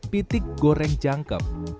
pitik goreng jangkep